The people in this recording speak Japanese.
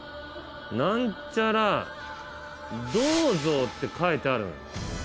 なんちゃら「銅像」って書いてある。